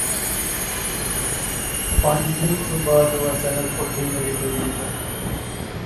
پانج دن تھی بعد او اچانک اٹھی مڑی ٹری گیا